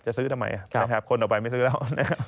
จะซื้อทำไมนะครับคนออกไปไม่ซื้อแล้ว